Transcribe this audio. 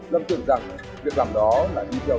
lâm tưởng rằng việc làm đó là đi theo